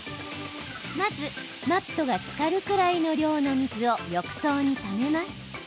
まず、マットがつかるくらいの量の水を浴槽にためます。